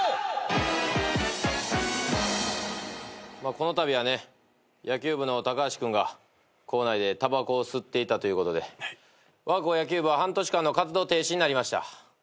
このたびは野球部の高橋君が校内でたばこを吸っていたということでわが校野球部は半年間の活動停止になりました。